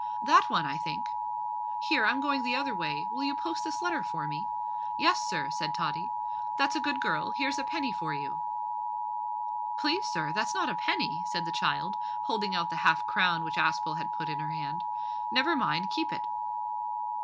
"That one, I think." "Here, I'm going the other way: will you post this letter for me?" "Yes, sir," said Tottie. "That's a good girl; here's a penny for you." "Please, sir, that's not a penny," said the child, holding out the half crown which Aspel had put in her hand. "Never mind; keep it."